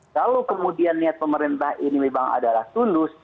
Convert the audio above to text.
kalau kemudian niat pemerintah ini memang adalah tulus